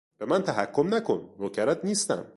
به من تحکم نکن، نوکرت نیستم!